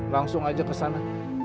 langsung aja kesana